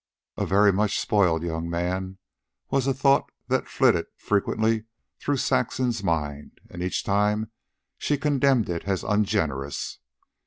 A very much spoiled young man was a thought that flitted frequently through Saxon's mind; and each time she condemned it as ungenerous.